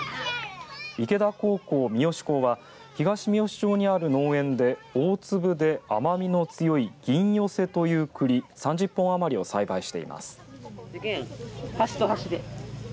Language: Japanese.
池田高校三好校は東みよし町にある農園で大粒で甘みの強い銀寄というくり３０本余りを栽培しています。